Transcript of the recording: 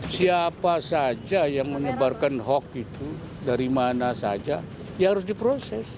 siapa saja yang menyebarkan hoax itu dari mana saja ya harus diproses